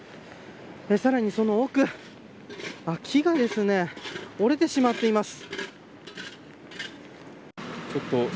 さらにその奥木が折れてしまっています。